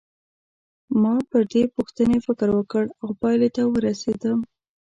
ما پر دې پوښتنې فکر وکړ او پایلې ته ورسېدم.